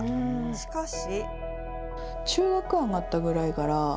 しかし。